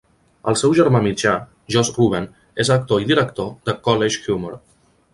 El seu germà mitjà, Josh Ruben, és actor i director de CollegeHumor.